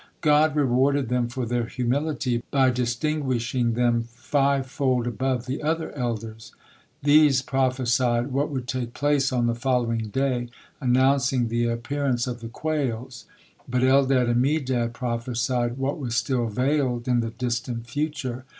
God rewarded them for their humility by distinguishing them five fold above the other elders. These prophesied what would take place on the following day, announcing the appearance of the quails, but Eldad and Medad prophesied what was still veiled in the distant future.